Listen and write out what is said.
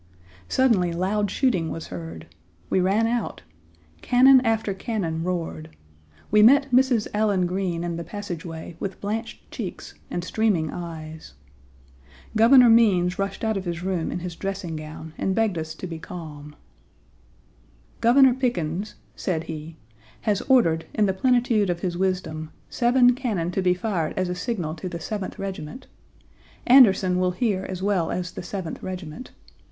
Suddenly loud shooting was heard. We ran out. Cannon after cannon roared. We met Mrs. Allen Green in the passageway with blanched cheeks and streaming eyes. Governor Means rushed out of his room in his dressing gown and begged us to be calm. "Governor Pickens," said he, "has ordered in the plenitude of his wisdom, seven cannon to be fired as a signal to the Seventh Regiment. Anderson will hear as well as the Seventh Regiment.